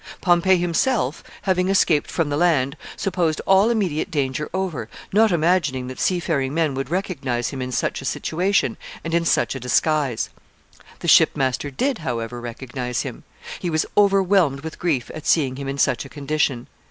Pompey himself, having escaped from the land, supposed all immediate danger over, not imagining that seafaring men would recognize him in such a situation and in such a disguise. The shipmaster did, however, recognize him. He was overwhelmed with grief at seeing him in such a condition.